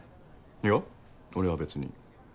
いや俺は別に。